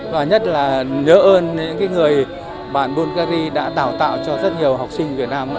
và nhất là nhớ ơn những người bạn bvlgari đã đào tạo cho rất nhiều học sinh